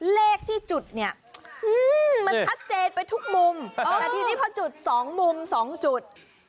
เลขที่จุดเนี่ยมันชัดเจนไปทุกมุมแต่ทีนี้พอจุดสองมุมสองจุด